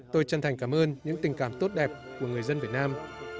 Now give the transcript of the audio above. tôi chân thành cảm ơn những tình cảm tốt đẹp của người dân việt nam